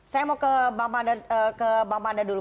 saya mau ke bang panda dulu